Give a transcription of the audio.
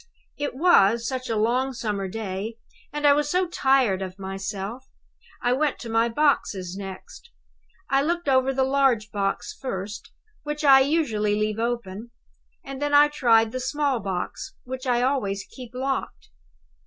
"It was, such a long summer day, and I was so tired of myself. I went to my boxes next. I looked over the large box first, which I usually leave open; and then I tried the small box, which I always keep locked.